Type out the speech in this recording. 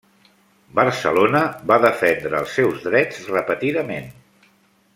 Barcelona va defendre els seus drets repetidament.